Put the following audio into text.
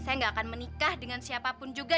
saya gak akan menikah dengan siapapun juga